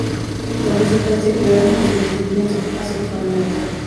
Lo que sí parece claro es que se dividían asexualmente.